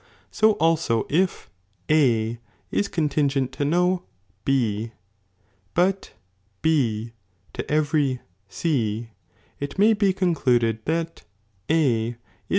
So nlao if A is contingent to no B, but B to every C, (it may be concluded) that A is